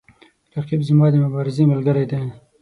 رقیب زما د مبارزې ملګری دی